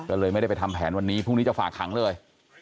ก็เลยไม่ได้ไปทำแผนวันนี้พรุ่งนี้จะฝากขังเลย